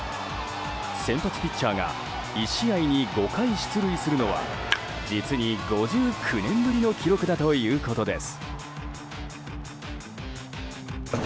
先発ピッチャーが１試合に５回出塁するのは実に５９年ぶりの記録だということです。